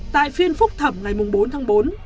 tại phiên phúc thẩm ngày bốn tháng bốn